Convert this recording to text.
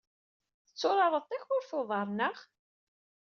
Tetturareḍ takurt n uḍar, naɣ?